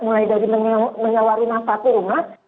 mulai dari menyewa rumah satu rumah